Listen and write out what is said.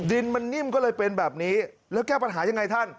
ดินมันนิ่มก็เลยเป็นแบบนี้แล้วแก้ปัญหายังไงท่าน